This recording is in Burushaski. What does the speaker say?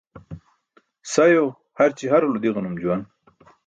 Sayo harci harulo di̇ġanum juwan.